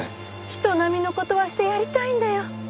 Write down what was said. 人並みの事はしてやりたいんだよ。